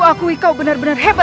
raiomi tergantung menolongmu